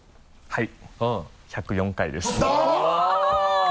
はい。